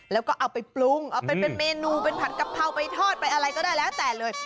แล้วก็เอาไปปรุงเอาเป็นเมนูเป็นผัดกะเพราไปทอดไปอะไรก็ได้แล้วแต่เลย